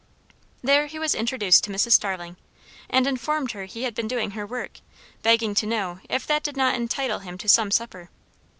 There he was introduced to Mrs. Starling, and informed her he had been doing her work, begging to know if that did not entitle him to some supper.